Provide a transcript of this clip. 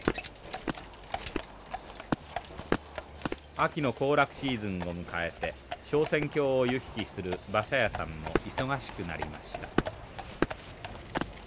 秋の行楽シーズンを迎えて昇仙峡を行き来する馬車屋さんも忙しくなりました。